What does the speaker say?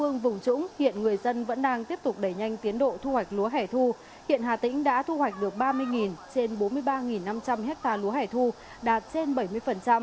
nhanh tiến độ thu hoạch lúa hẻ thu hiện hà tĩnh đã thu hoạch được ba mươi trên bốn mươi ba năm trăm linh ha lúa hẻ thu đạt trên bảy mươi